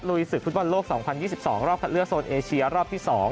ศึกฟุตบอลโลก๒๐๒๒รอบคัดเลือกโซนเอเชียรอบที่๒